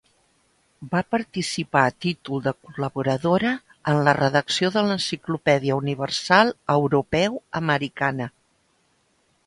Va participar a títol de col·laboradora en la redacció de l'Enciclopèdia Universal Europeu Americana.